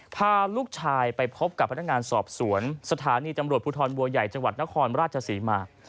พาลูกชายไปพบกับพนักงานสอบสวนสถานีตำรวจภูทรบัวใหญ่จังหวัดนครราชศรีมา